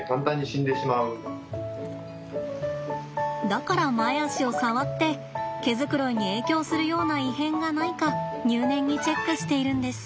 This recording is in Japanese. だから前足を触って毛づくろいに影響するような異変がないか入念にチェックしているんです。